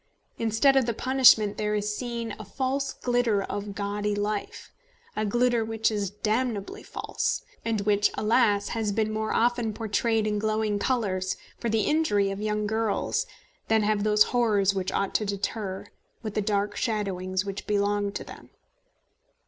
Instead of the punishment, there is seen a false glitter of gaudy life, a glitter which is damnably false, and which, alas! has been more often portrayed in glowing colours, for the injury of young girls, than have those horrors which ought to deter, with the dark shadowings which belong to them.